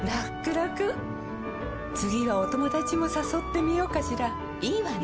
らくらくはお友達もさそってみようかしらいいわね！